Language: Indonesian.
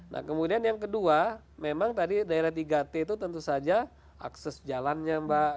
nah kemudian yang kedua memang tadi daerah tiga t itu tentu saja akses jalannya mbak